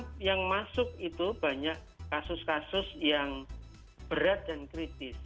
karena yang masuk itu banyak kasus kasus yang berat dan kritis